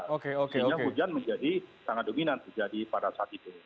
sehingga hujan menjadi sangat dominan terjadi pada saat itu